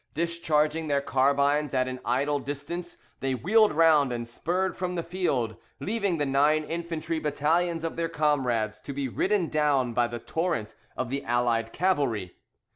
Discharging their carbines at an idle distance, they wheeled round and spurred from the field, leaving the nine infantry battalions of their comrades to be ridden down by the torrent of the allied cavalry.